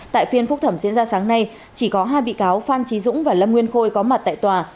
tại phiên phúc thẩm diễn ra sáng nay chỉ có hai bị cáo phan trí dũng và lâm nguyên khôi có mặt tại tòa